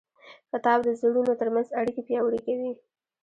کتاب د زړونو ترمنځ اړیکې پیاوړې کوي.